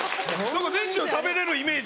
年中食べれるイメージ。